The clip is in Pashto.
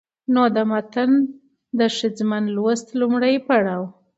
نو د متن د ښځمن لوست لومړى پړاو